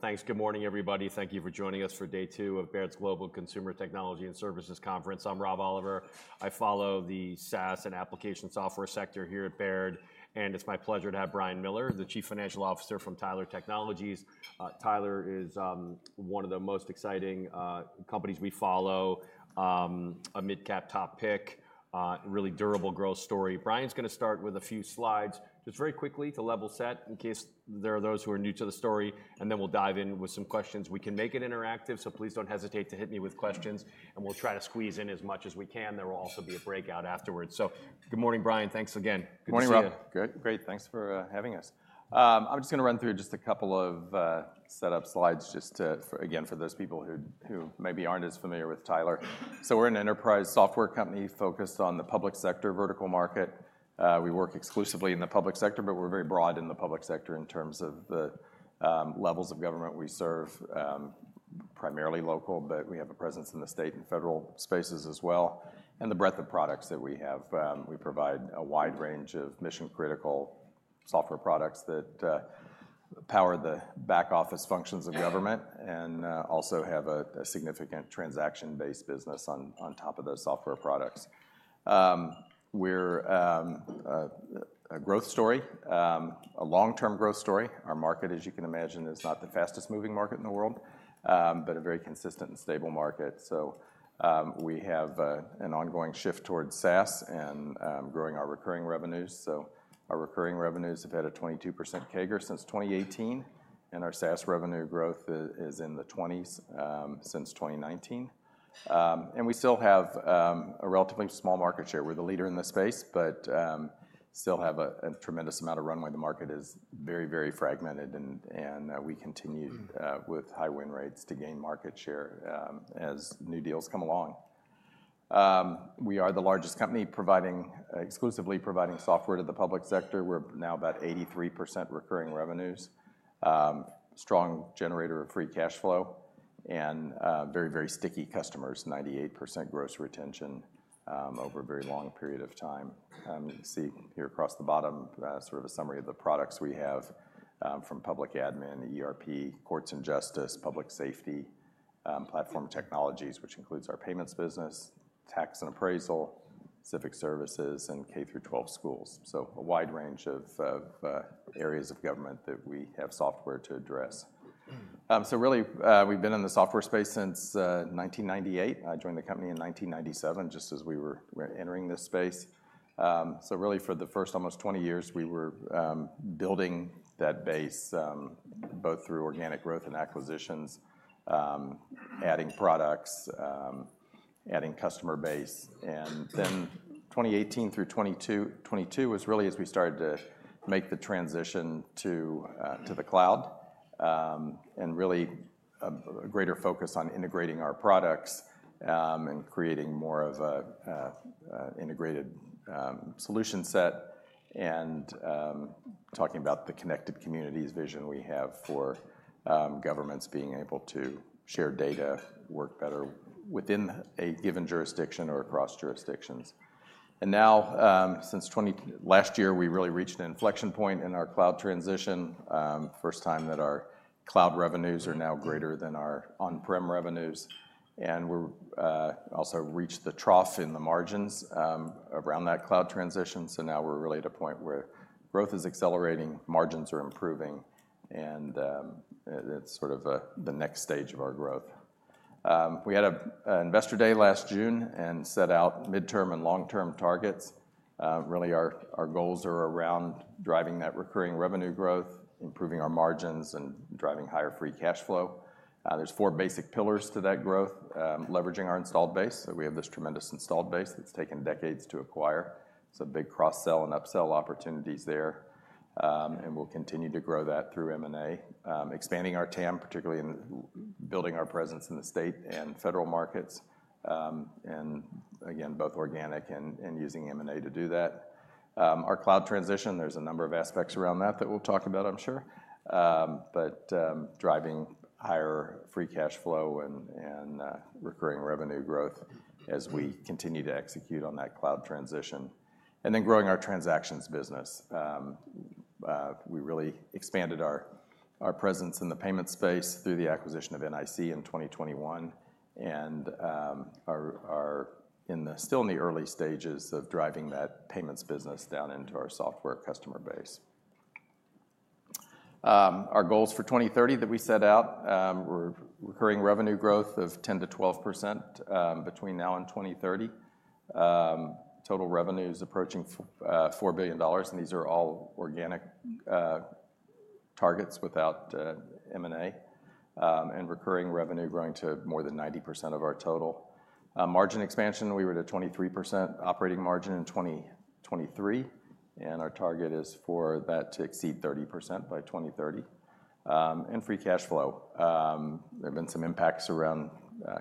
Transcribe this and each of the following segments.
Thanks. Good morning, everybody. Thank you for joining us for day two of Baird's Global Consumer Technology and Services Conference. I'm Rob Oliver. I follow the SaaS and application software sector here at Baird, and it's my pleasure to have Brian Miller, the Chief Financial Officer from Tyler Technologies. Tyler is one of the most exciting companies we follow, a midcap top pick, really durable growth story. Brian's gonna start with a few slides, just very quickly to level set in case there are those who are new to the story, and then we'll dive in with some questions. We can make it interactive, so please don't hesitate to hit me with questions, and we'll try to squeeze in as much as we can. There will also be a breakout afterwards. So good morning, Brian. Thanks again. Good to see you. Morning, Rob. Good. Great. Thanks for having us. I'm just gonna run through just a couple of setup slides just to, for again, for those people who maybe aren't as familiar with Tyler. So we're an enterprise software company focused on the public sector vertical market. We work exclusively in the public sector, but we're very broad in the public sector in terms of the levels of government we serve, primarily local, but we have a presence in the state and federal spaces as well, and the breadth of products that we have. We provide a wide range of mission-critical software products that power the back office functions of government and also have a significant transaction-based business on top of those software products. We're a growth story, a long-term growth story. Our market, as you can imagine, is not the fastest moving market in the world, but a very consistent and stable market. So we have an ongoing shift towards SaaS and growing our recurring revenues. So our recurring revenues have had a 22% CAGR since 2018, and our SaaS revenue growth is in the 20s since 2019. And we still have a relatively small market share. We're the leader in this space, but still have a tremendous amount of runway. The market is very fragmented and we continue with high win rates to gain market share as new deals come along. We are the largest company exclusively providing software to the public sector. We're now about 83% recurring revenues, strong generator of free cash flow, and, very, very sticky customers, 98% gross retention, over a very long period of time. You see here across the bottom, sort of a summary of the products we have, from public admin, ERP, courts and justice, public safety, platform technologies, which includes our payments business, tax and appraisal, civic services, and K-12 schools. So a wide range of areas of government that we have software to address. So really, we've been in the software space since 1998. I joined the company in 1997, just as we were entering this space. So really for the first almost 20 years, we were building that base, both through organic growth and acquisitions, adding products, adding customer base. Then 2018 through 2022, 2022 was really as we started to make the transition to the cloud, and really a greater focus on integrating our products, and creating more of an integrated solution set and talking about the Connected Communities vision we have for governments being able to share data, work better within a given jurisdiction or across jurisdictions. And now, since last year, we really reached an inflection point in our cloud transition. First time that our cloud revenues are now greater than our on-prem revenues, and we're also reached the trough in the margins around that cloud transition. So now we're really at a point where growth is accelerating, margins are improving, and it's sort of the next stage of our growth. We had an investor day last June and set out midterm and long-term targets. Really, our goals are around driving that recurring revenue growth, improving our margins, and driving higher free cash flow. There's four basic pillars to that growth, leveraging our installed base. So we have this tremendous installed base that's taken decades to acquire. So big cross-sell and upsell opportunities there, and we'll continue to grow that through M&A. Expanding our TAM, particularly in building our presence in the state and federal markets, and again, both organic and using M&A to do that. Our cloud transition, there's a number of aspects around that that we'll talk about, I'm sure, but driving higher free cash flow and recurring revenue growth as we continue to execute on that cloud transition. And then growing our transactions business. We really expanded our presence in the payment space through the acquisition of NIC in 2021 and are still in the early stages of driving that payments business down into our software customer base. Our goals for 2030 that we set out were recurring revenue growth of 10%-12% between now and 2030. Total revenues approaching $4 billion, and these are all organic targets without M&A, and recurring revenue growing to more than 90% of our total. Margin expansion, we were at a 23% operating margin in 2023, and our target is for that to exceed 30% by 2030. And free cash flow. There have been some impacts around,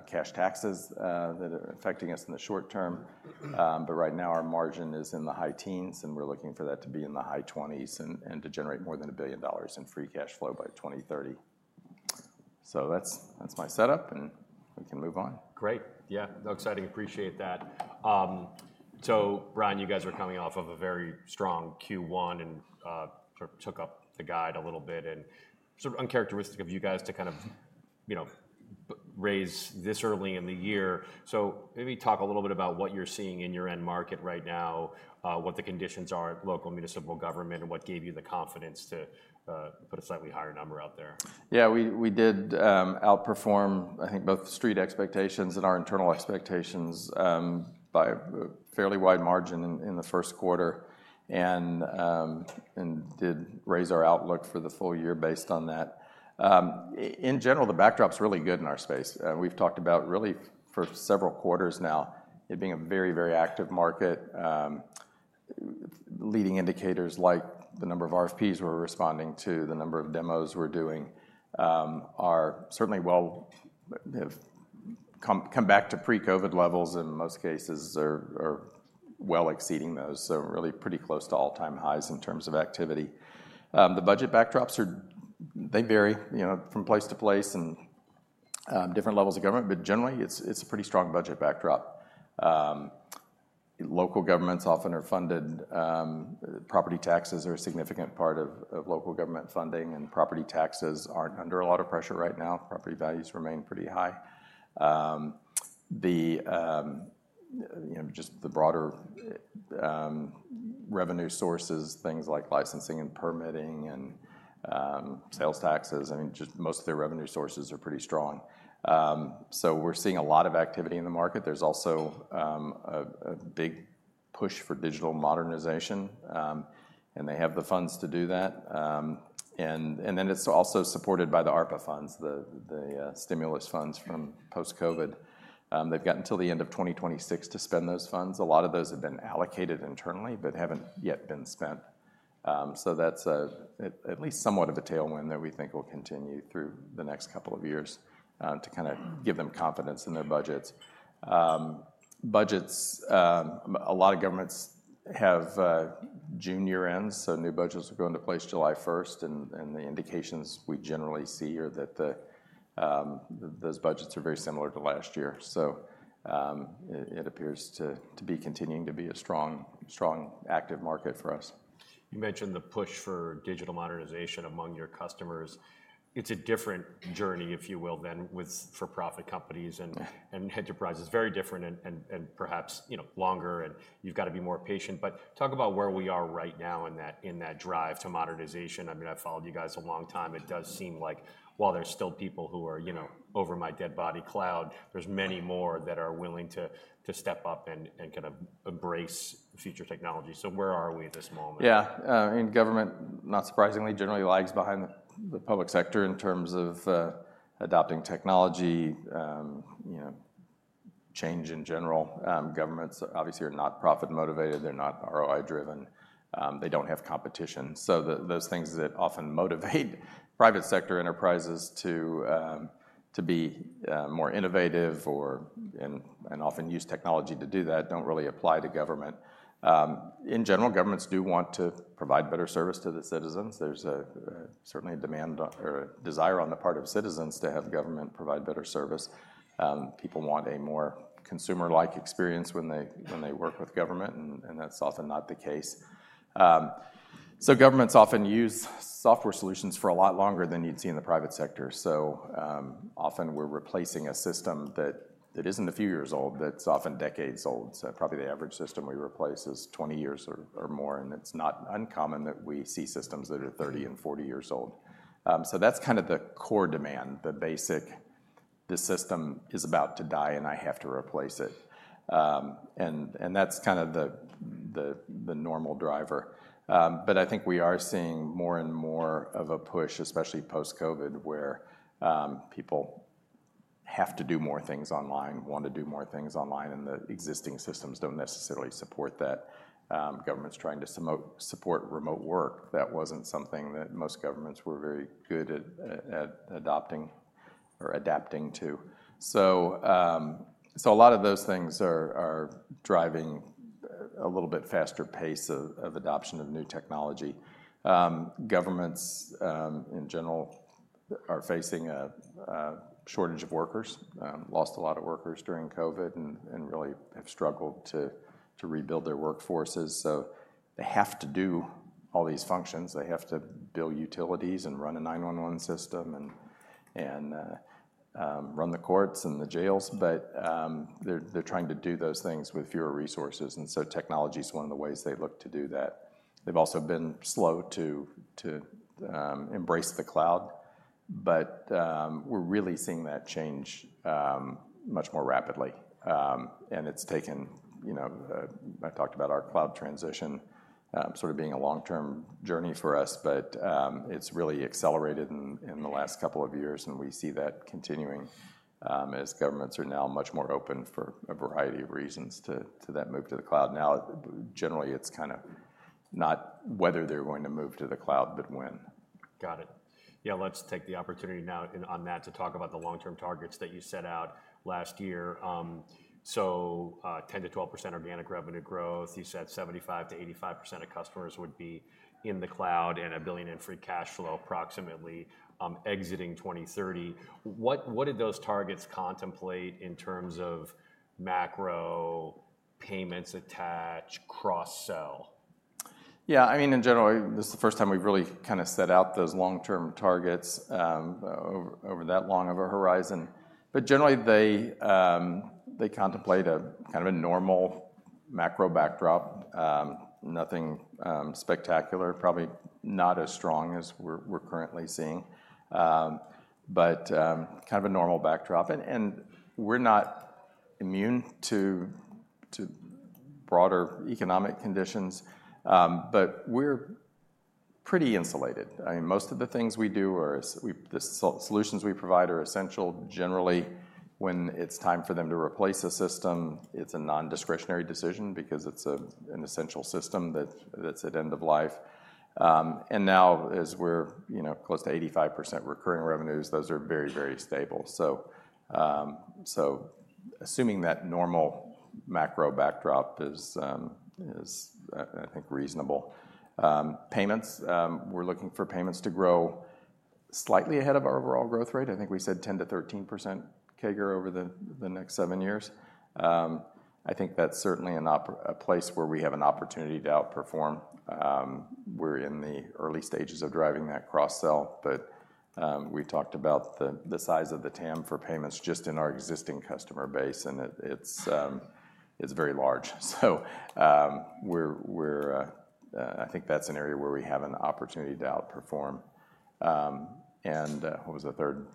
cash taxes, that are affecting us in the short term, but right now our margin is in the high teens, and we're looking for that to be in the high twenties and, and to generate more than $1 billion in free cash flow by 2030. So that's, that's my setup, and we can move on. Great. Yeah, exciting. Appreciate that. So Brian, you guys are coming off of a very strong Q1, and sort of took up the guide a little bit, and sort of uncharacteristic of you guys to kind of, you know, raise this early in the year. So maybe talk a little bit about what you're seeing in your end market right now, what the conditions are at local municipal government, and what gave you the confidence to put a slightly higher number out there. Yeah, we did outperform, I think, both the street expectations and our internal expectations, by a fairly wide margin in the first quarter, and did raise our outlook for the full year based on that. In general, the backdrop's really good in our space. We've talked about really for several quarters now, it being a very, very active market. Leading indicators, like the number of RFPs we're responding to, the number of demos we're doing, are certainly well back to pre-COVID levels, in most cases, are well exceeding those, so really pretty close to all-time highs in terms of activity. The budget backdrops are. They vary, you know, from place to place and different levels of government, but generally, it's a pretty strong budget backdrop. Local governments often are funded. Property taxes are a significant part of local government funding, and property taxes aren't under a lot of pressure right now. Property values remain pretty high. You know, just the broader revenue sources, things like licensing and permitting and sales taxes, I mean, just most of their revenue sources are pretty strong. So we're seeing a lot of activity in the market. There's also a big push for digital modernization, and they have the funds to do that. And then it's also supported by the ARPA funds, the stimulus funds from post-COVID. They've got until the end of 2026 to spend those funds. A lot of those have been allocated internally but haven't yet been spent. So that's at least somewhat of a tailwind that we think will continue through the next couple of years, to kinda give them confidence in their budgets. Budgets, a lot of governments have June year-ends, so new budgets will go into place July first, and the indications we generally see are that those budgets are very similar to last year. So, it appears to be continuing to be a strong, strong, active market for us. You mentioned the push for digital modernization among your customers. It's a different journey, if you will, than with for-profit companies and enterprises. Very different and perhaps, you know, longer, and you've got to be more patient, but talk about where we are right now in that drive to modernization. I mean, I've followed you guys a long time. It does seem like while there's still people who are, you know, "Over my dead body cloud," there's many more that are willing to step up and kind of embrace future technology. So where are we at this moment? Yeah, and government, not surprisingly, generally lags behind the public sector in terms of adopting technology, you know, change in general. Governments obviously are not profit-motivated, they're not ROI-driven, they don't have competition. So those things that often motivate private sector enterprises to be more innovative or, and often use technology to do that, don't really apply to government. In general, governments do want to provide better service to the citizens. There's certainly a demand or a desire on the part of citizens to have government provide better service. People want a more consumer-like experience when they work with government, and that's often not the case. So governments often use software solutions for a lot longer than you'd see in the private sector. So, often, we're replacing a system that isn't a few years old, that's often decades old. So probably the average system we replace is 20 years or more, and it's not uncommon that we see systems that are 30 and 40 years old. So that's kind of the core demand, the basic, "This system is about to die, and I have to replace it." And that's kind of the normal driver. But I think we are seeing more and more of a push, especially post-COVID, where people have to do more things online, want to do more things online, and the existing systems don't necessarily support that. Government's trying to support remote work. That wasn't something that most governments were very good at adopting or adapting to. So, so a lot of those things are driving a little bit faster pace of adoption of new technology. Governments in general are facing a shortage of workers. Lost a lot of workers during COVID and really have struggled to rebuild their workforces. So they have to do all these functions, they have to build utilities and run a 911 system, and run the courts and the jails, but they're trying to do those things with fewer resources, and so technology is one of the ways they look to do that. They've also been slow to embrace the cloud, but we're really seeing that change much more rapidly. And it's taken, you know. I talked about our cloud transition, sort of being a long-term journey for us, but, it's really accelerated in the last couple of years, and we see that continuing, as governments are now much more open for a variety of reasons to that move to the cloud. Now, generally, it's kinda not whether they're going to move to the cloud, but when. Got it. Yeah, let's take the opportunity now in, on that, to talk about the long-term targets that you set out last year. So, 10%-12% organic revenue growth. You said 75%-85% of customers would be in the cloud, and $1 billion in free cash flow, approximately, exiting 2030. What did those targets contemplate in terms of macro payments attach, cross-sell? Yeah, I mean, in general, this is the first time we've really kind of set out those long-term targets over that long of a horizon. But generally, they contemplate a kind of a normal macro backdrop, nothing spectacular, probably not as strong as we're currently seeing. But kind of a normal backdrop. And we're not immune to broader economic conditions, but we're pretty insulated. I mean, most of the things we do are solutions we provide are essential. Generally, when it's time for them to replace a system, it's a non-discretionary decision because it's an essential system that's at end of life. And now, as we're, you know, close to 85% recurring revenues, those are very, very stable. So, assuming that normal macro backdrop is, I think reasonable. Payments, we're looking for payments to grow slightly ahead of our overall growth rate. I think we said 10%-13% CAGR over the next seven years. I think that's certainly a place where we have an opportunity to outperform. We're in the early stages of driving that cross-sell, but we talked about the size of the TAM for payments just in our existing customer base, and it's very large. So, I think that's an area where we have an opportunity to outperform. And, what was the third?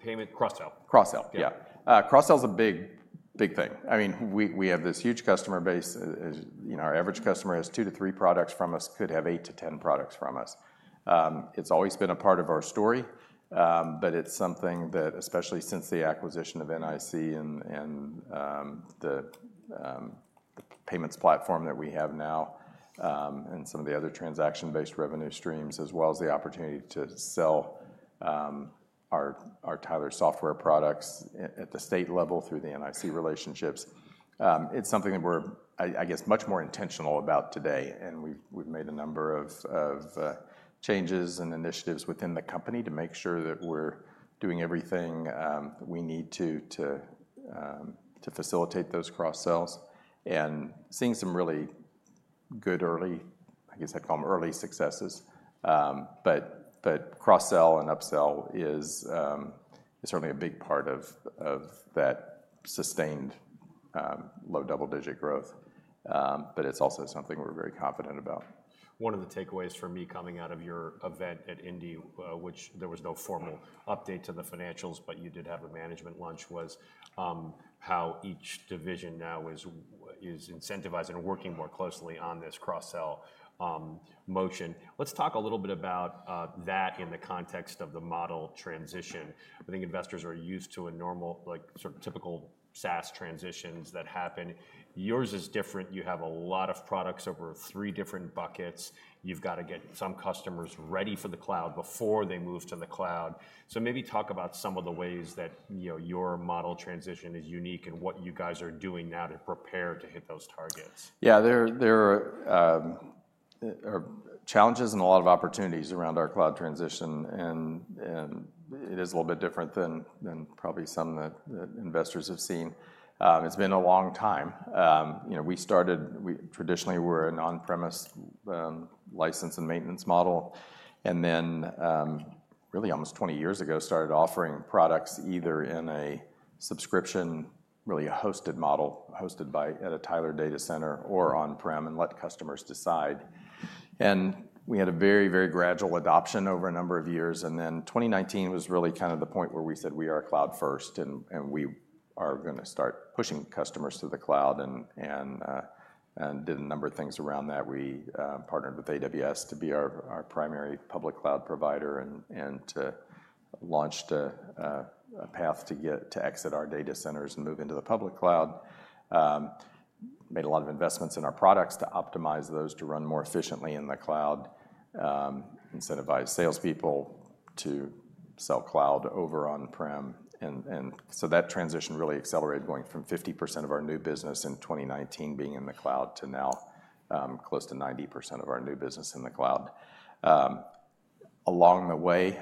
Payment, cross-sell. Cross-sell, yeah. Cross-sell is a big, big thing. I mean, we have this huge customer base. As you know, our average customer has two to three products from us, could have eight to 10 products from us. It's always been a part of our story, but it's something that, especially since the acquisition of NIC and the payments platform that we have now, and some of the other transaction-based revenue streams, as well as the opportunity to sell our Tyler software products at the state level through the NIC relationships. It's something that we're, I guess, much more intentional about today, and we've made a number of changes and initiatives within the company to make sure that we're doing everything we need to facilitate those cross-sells. And seeing some really good early, I guess I'd call them early successes. But cross-sell and upsell is certainly a big part of that sustained low double-digit growth. But it's also something we're very confident about. One of the takeaways for me coming out of your event at Indy, which there was no formal update to the financials, but you did have a management lunch, was how each division now is incentivizing and working more closely on this cross-sell motion. Let's talk a little bit about that in the context of the model transition. I think investors are used to a normal, like, sort of typical SaaS transitions that happen. Yours is different. You have a lot of products over three different buckets. You've got to get some customers ready for the cloud before they move to the cloud. So maybe talk about some of the ways that, you know, your model transition is unique and what you guys are doing now to prepare to hit those targets. Yeah, there are challenges and a lot of opportunities around our cloud transition, and it is a little bit different than probably some that investors have seen. It's been a long time. You know, we started—we traditionally were an on-premise license and maintenance model, and then, really almost 20 years ago, started offering products either in a subscription, really a hosted model, hosted at a Tyler data center or on-prem, and let customers decide. And we had a very, very gradual adoption over a number of years, and then 2019 was really kind of the point where we said: "We are cloud first, and we are gonna start pushing customers to the cloud," and did a number of things around that. We partnered with AWS to be our primary public cloud provider and launched a path to get to exit our data centers and move into the public cloud. Made a lot of investments in our products to optimize those to run more efficiently in the cloud. Incentivized salespeople to sell cloud over on-prem, and so that transition really accelerated, going from 50% of our new business in 2019 being in the cloud, to now, close to 90% of our new business in the cloud. Along the way,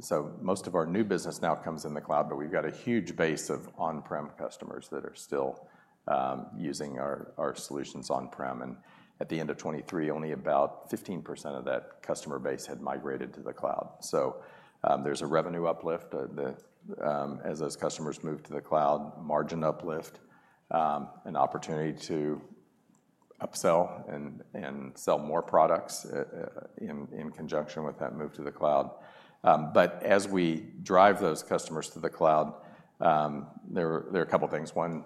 so most of our new business now comes in the cloud, but we've got a huge base of on-prem customers that are still using our solutions on-prem, and at the end of 2023, only about 15% of that customer base had migrated to the cloud. So, there's a revenue uplift as those customers move to the cloud, margin uplift, an opportunity to upsell and sell more products in conjunction with that move to the cloud. But as we drive those customers to the cloud, there are a couple things. One,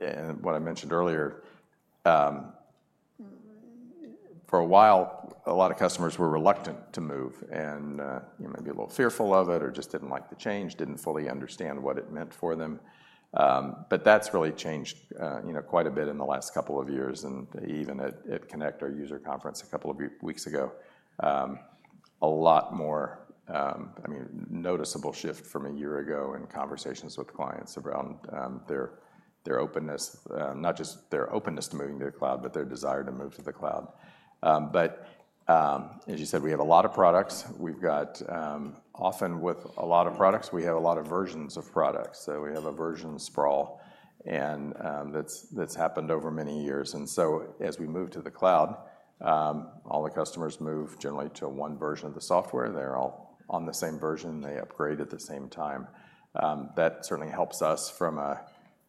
and what I mentioned earlier, for a while, a lot of customers were reluctant to move and, you know, maybe a little fearful of it or just didn't like the change, didn't fully understand what it meant for them. But that's really changed, you know, quite a bit in the last couple of years, and even at Connect, our user conference, a couple of weeks ago, a lot more, I mean, noticeable shift from a year ago in conversations with clients around their openness, not just their openness to moving to the cloud, but their desire to move to the cloud. But, as you said, we have a lot of products. We've got, often with a lot of products, we have a lot of versions of products. So we have a version sprawl, and that's happened over many years. So, as we move to the cloud, all the customers move generally to one version of the software. They're all on the same version, they upgrade at the same time. That certainly helps us from an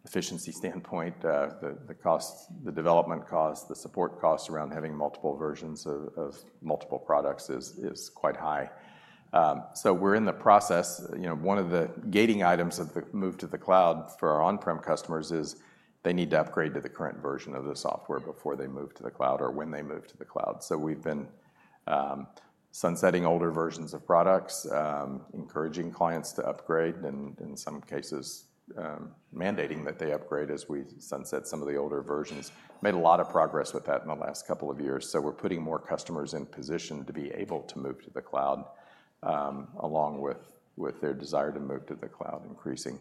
efficiency standpoint. The costs, the development costs, the support costs around having multiple versions of multiple products is quite high. So we're in the process. You know, one of the gating items of the move to the cloud for our on-prem customers is, they need to upgrade to the current version of the software before they move to the cloud or when they move to the cloud. So we've been sunsetting older versions of products, encouraging clients to upgrade, and in some cases, mandating that they upgrade as we sunset some of the older versions. Made a lot of progress with that in the last couple of years, so we're putting more customers in position to be able to move to the cloud, along with their desire to move to the cloud increasing.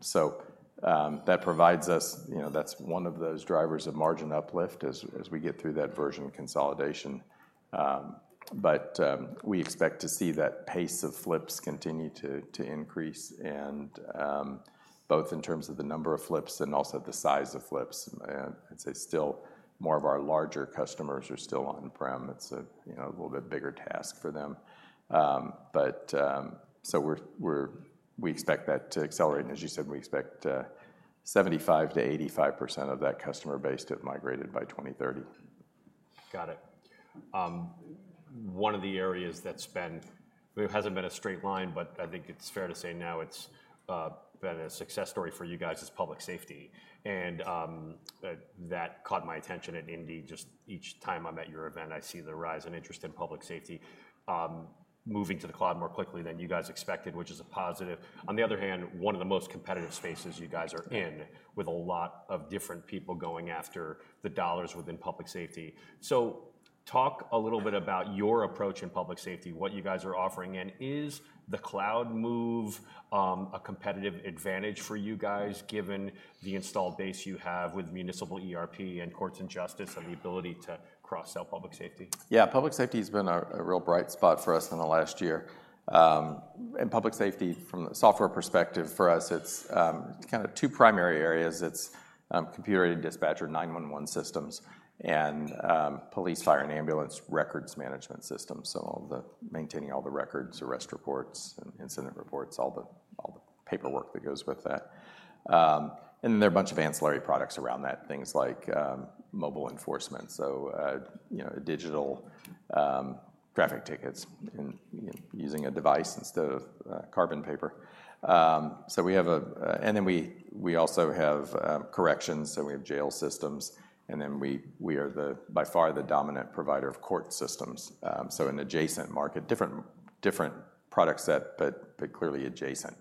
So that provides us, you know, that's one of those drivers of margin uplift as we get through that version consolidation. But we expect to see that pace of flips continue to increase, and both in terms of the number of flips and also the size of flips. I'd say still more of our larger customers are still on-prem. It's a, you know, a little bit bigger task for them. But, so we expect that to accelerate, and as you said, we expect 75%-85% of that customer base to have migrated by 2030. Got it. One of the areas that's been. Well, it hasn't been a straight line, but I think it's fair to say now it's been a success story for you guys, is public safety. And that caught my attention at Indy. Just each time I'm at your event, I see the rise in interest in public safety moving to the cloud more quickly than you guys expected, which is a positive. On the other hand, one of the most competitive spaces you guys are in, with a lot of different people going after the dollars within public safety. Talk a little bit about your approach in public safety, what you guys are offering, and is the cloud move a competitive advantage for you guys, given the installed base you have with municipal ERP and courts and justice, and the ability to cross-sell public safety? Yeah, public safety has been a real bright spot for us in the last year. Public safety from the software perspective, for us, it's kinda two primary areas. It's computer-aided dispatch 911 systems, and police, fire, and ambulance records management systems. So all the maintaining all the records, arrest reports, and incident reports, all the paperwork that goes with that. And there are a bunch of ancillary products around that, things like mobile enforcement, so you know, digital traffic tickets and you know, using a device instead of carbon paper. So we have... And then we also have corrections, so we have jail systems, and then we are, by far, the dominant provider of court systems. So an adjacent market, different, different product set, but, but clearly adjacent.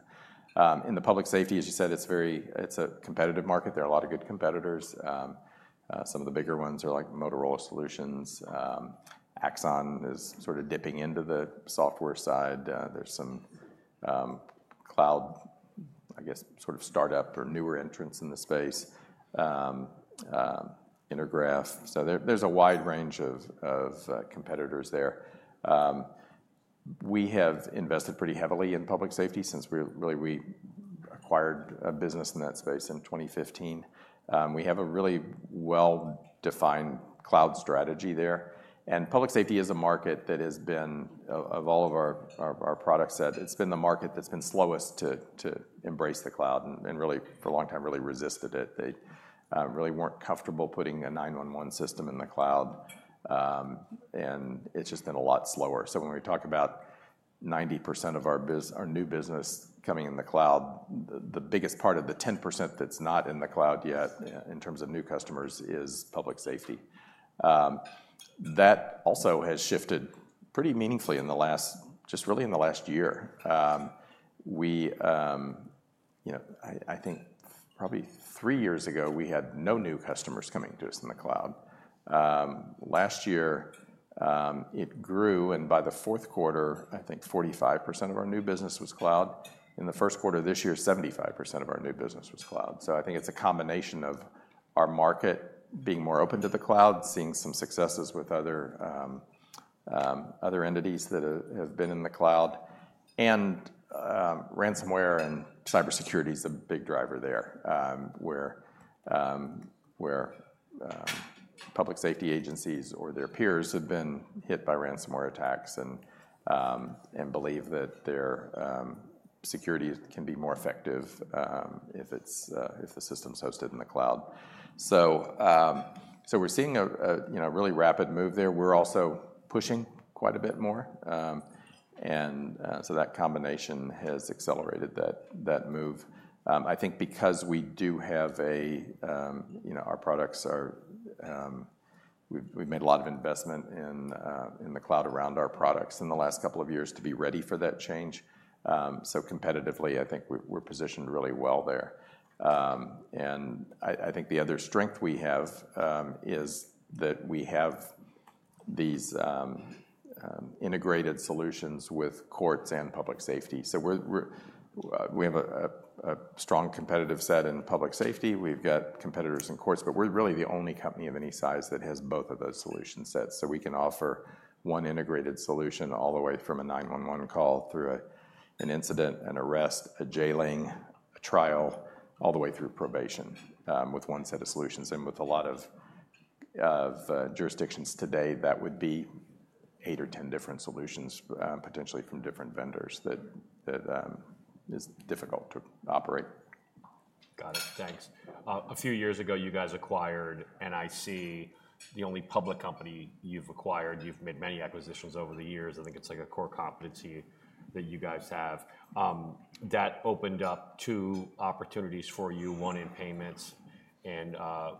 In the public safety, as you said, it's a competitive market. There are a lot of good competitors. Some of the bigger ones are, like, Motorola Solutions. Axon is sort of dipping into the software side. There's some cloud, I guess, sort of start-up or newer entrants in the space, Intergraph. So there, there's a wide range of, of, competitors there. We have invested pretty heavily in public safety since really, we acquired a business in that space in 2015. We have a really well-defined cloud strategy there. And public safety is a market that has been, of all of our product set, it's been the market that's been slowest to embrace the cloud, and really, for a long time, really resisted it. They really weren't comfortable putting a 911 system in the cloud. And it's just been a lot slower. So when we talk about 90% of our new business coming in the cloud, the biggest part of the 10% that's not in the cloud yet in terms of new customers, is public safety. That also has shifted pretty meaningfully in the last year. Just really in the last year. You know, I think probably three years ago, we had no new customers coming to us in the cloud. Last year, it grew, and by the fourth quarter, I think 45% of our new business was cloud. In the first quarter of this year, 75% of our new business was cloud. So I think it's a combination of our market being more open to the cloud, seeing some successes with other entities that have been in the cloud, and ransomware and cybersecurity is a big driver there, where public safety agencies or their peers have been hit by ransomware attacks and believe that their security can be more effective if the system's hosted in the cloud. So we're seeing a you know really rapid move there. We're also pushing quite a bit more. And so that combination has accelerated that move. I think because we do have. You know, our products are, we've made a lot of investment in the cloud around our products in the last couple of years to be ready for that change. So competitively, I think we're positioned really well there. And I think the other strength we have is that we have these integrated solutions with courts and public safety. So we have a strong competitive set in public safety. We've got competitors in courts, but we're really the only company of any size that has both of those solution sets. So we can offer one integrated solution all the way from a 911 call, through an incident, an arrest, a jailing, a trial, all the way through probation, with one set of solutions. And with a lot of jurisdictions today, that would be eight or 10 different solutions, potentially from different vendors that is difficult to operate. Got it. Thanks. A few years ago, you guys acquired, and I see the only public company you've acquired. You've made many acquisitions over the years. I think it's like a core competency that you guys have. That opened up two opportunities for you, one in payments and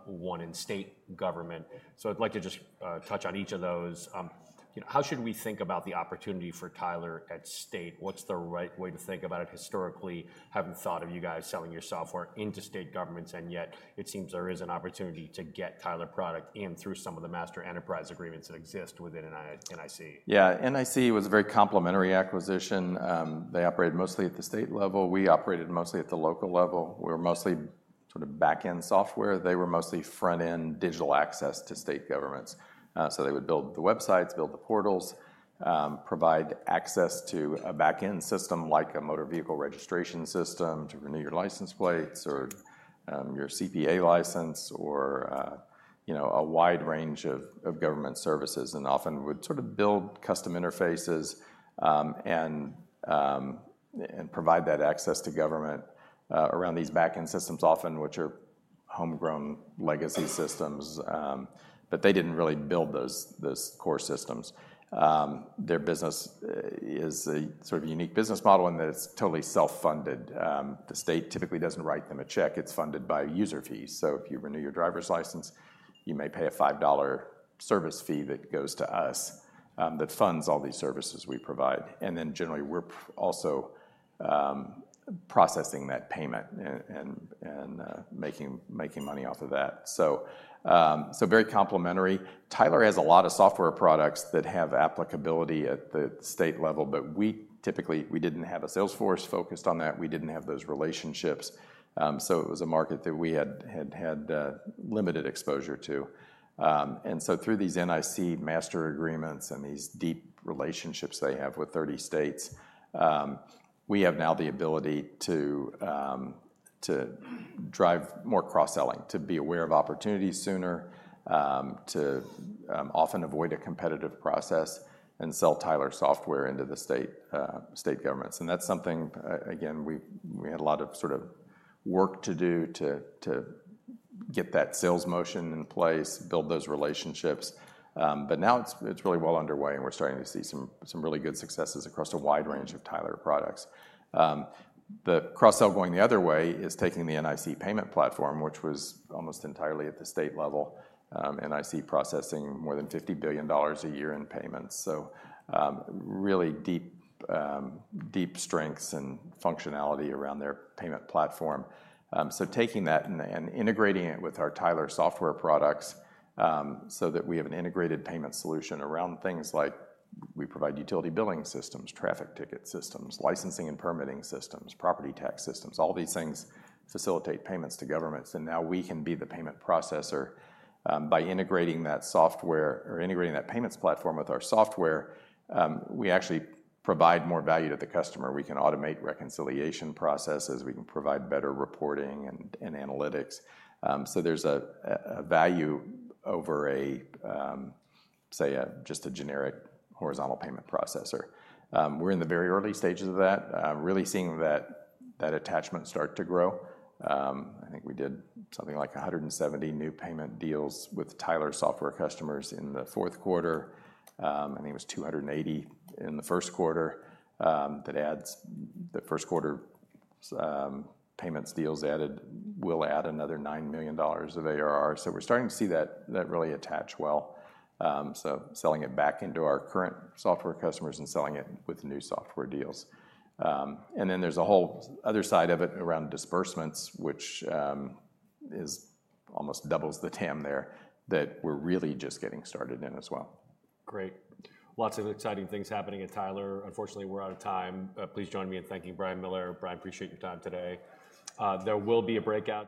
one in state government. So I'd like to just touch on each of those. You know, how should we think about the opportunity for Tyler at state? What's the right way to think about it historically, having thought of you guys selling your software into state governments, and yet it seems there is an opportunity to get Tyler product in through some of the master enterprise agreements that exist within NIC? Yeah. NIC was a very complementary acquisition. They operated mostly at the state level. We operated mostly at the local level. We were mostly sort of back-end software. They were mostly front-end digital access to state governments. So they would build the websites, build the portals, provide access to a back-end system, like a motor vehicle registration system, to renew your license plates or your CPA license or you know, a wide range of government services. And often would sort of build custom interfaces and provide that access to government around these back-end systems, often which are homegrown legacy systems. But they didn't really build those core systems. Their business is a sort of unique business model in that it's totally self-funded. The state typically doesn't write them a check. It's funded by user fees. So if you renew your driver's license, you may pay a $5 service fee that goes to us, that funds all these services we provide, and then generally, we're also processing that payment and making money off of that. So, so very complementary. Tyler has a lot of software products that have applicability at the state level, but we typically, we didn't have a sales force focused on that. We didn't have those relationships. So it was a market that we had had limited exposure to. And so through these NIC master agreements and these deep relationships they have with 30 states, we have now the ability to, to drive more cross-selling, to be aware of opportunities sooner, to, often avoid a competitive process and sell Tyler software into the state, state governments. And that's something, again, we, we had a lot of sort of work to do to, to get that sales motion in place, build those relationships. But now it's, it's really well underway, and we're starting to see some, some really good successes across a wide range of Tyler products. The cross-sell going the other way is taking the NIC payment platform, which was almost entirely at the state level. NIC processing more than $50 billion a year in payments, so really deep strengths and functionality around their payment platform. So taking that and integrating it with our Tyler software products, so that we have an integrated payment solution around things like we provide utility billing systems, traffic ticket systems, licensing and permitting systems, property tax systems. All these things facilitate payments to governments, and now we can be the payment processor. By integrating that software or integrating that payments platform with our software, we actually provide more value to the customer. We can automate reconciliation processes, we can provide better reporting and analytics. So there's a value over, say, just a generic horizontal payment processor. We're in the very early stages of that, really seeing that attachment start to grow. I think we did something like 170 new payment deals with Tyler software customers in the fourth quarter. I think it was 280 in the first quarter. That adds. The first quarter payments deals added will add another $9 million of ARR. So we're starting to see that really attach well. So selling it back into our current software customers and selling it with new software deals. And then there's a whole other side of it around disbursements, which almost doubles the TAM there, that we're really just getting started in as well. Great. Lots of exciting things happening at Tyler. Unfortunately, we're out of time. Please join me in thanking Brian Miller. Brian, appreciate your time today. There will be a breakout-